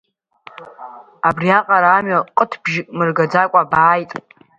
Абриаҟара амҩа ҟытбжьык мыргаӡакәа бааит.